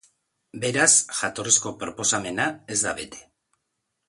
Beraz, jatorrizko proposamena ez da bete.